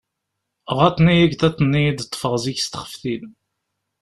Ɣaḍen-iyi igḍaḍ-nni i d-ṭṭfeɣ zik s txeftin.